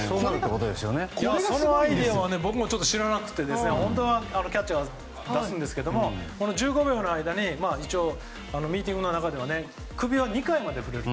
このアイデアは僕も知らなくて本当はキャッチャーは出すんですけどこの１５秒の間に一応、ミーティングの中では首は２回まで振れる。